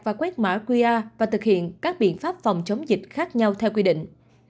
phép mở qr và thực hiện các biện pháp phòng chống dịch khác nhau theo quy định